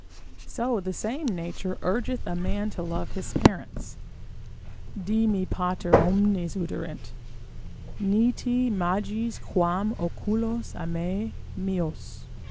So the same nature urgeth a man to love his parents, (dii me pater omnes oderint, ni te magis quam oculos amem meos!)